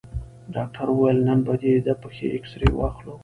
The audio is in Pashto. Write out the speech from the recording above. ډاکتر وويل نن به دې د پښې اكسرې واخلو.